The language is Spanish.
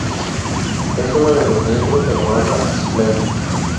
Es una de los miembros de la banda Splendid.